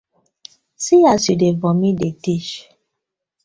See as yu dey vomit dey kdis.